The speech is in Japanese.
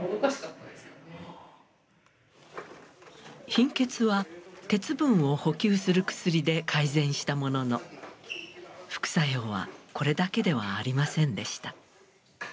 貧血は鉄分を補給する薬で改善したものの副作用はこれだけではありませんでした。